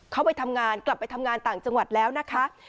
เขาไปทำงานกลับไปทำงานต่างจังหวัดแล้วนะคะ